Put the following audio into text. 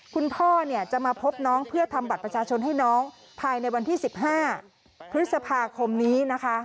คุณพ่อเนี่ยจะมาพบน้องเพื่อทำบัตรประชาชนให้น้องภายในวันที่๑๕พฤษภาคมนี้นะคะ